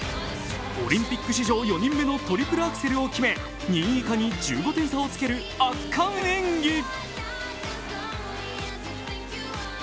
オリンピック史上４人目のトリプルアクセルを決め２位以下に１５点差をつける圧巻演技。